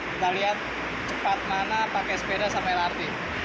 kita lihat cepat mana pakai sepeda sampai lrt